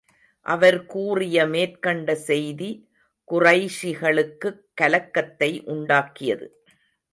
அவர் கூறிய மேற்கண்ட செய்தி குறைஷிகளுக்குக் கலக்கத்தை உண்டாக்கியது.